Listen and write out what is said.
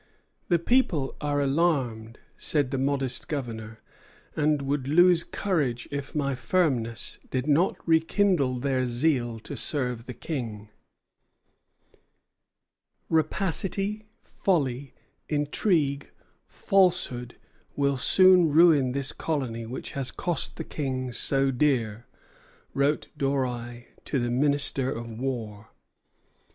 "The people are alarmed," said the modest Governor, "and would lose courage if my firmness did not rekindle their zeal to serve the King." Vaudreuil au Ministre, 10 Avril, 1759. "Rapacity, folly, intrigue, falsehood, will soon ruin this colony which has cost the King so dear," wrote Doreil to the Minister of War.